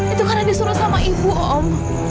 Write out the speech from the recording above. itu karena disuruh sama ibu om